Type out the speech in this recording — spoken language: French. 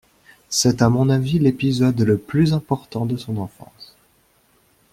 C’est à mon avis l’épisode le plus important de son enfance.